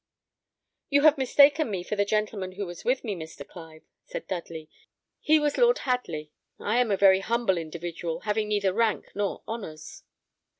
"You have mistaken me for the gentleman who was with me, Mr. Clive," said Dudley; "he was Lord Hadley; I am a very humble individual, having neither rank nor honours."